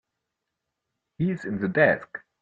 He's in the desk.